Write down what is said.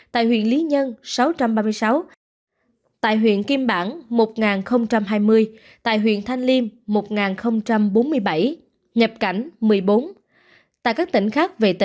một ba trăm tám mươi bảy tại huyện lý nhân sáu trăm ba mươi sáu tại huyện kim bản một hai mươi tại huyện thanh liêm một bốn mươi bảy nhập cảnh một mươi bốn